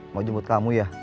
mau jemput kamu ya